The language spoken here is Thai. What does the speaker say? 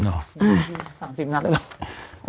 อ๋อสามสิบนัดหรือเปล่า